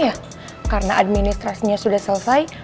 ya karena administrasinya sudah selesai